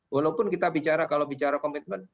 walaupun kita bicara kalau bicara komitmen